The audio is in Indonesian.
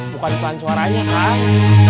bukan pelan suaranya kang